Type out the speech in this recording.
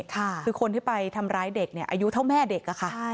คือคนที่ไปทำร้ายเด็กเนี่ยอายุเท่าแม่เด็กอะค่ะ